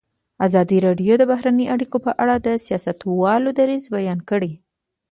ازادي راډیو د بهرنۍ اړیکې په اړه د سیاستوالو دریځ بیان کړی.